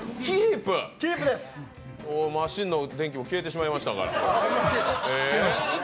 マシンの電気も消えてしまいましたから。